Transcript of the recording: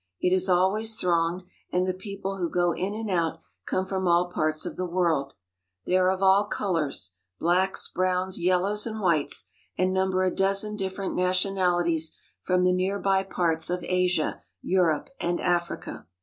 It is always thronged, and the people who go in and out come from all parts of the world. They are of all colours — blacks, browns, yellows, and whites — and number a dozen different nationalities from the near by parts of Asia, Europe, and Africa.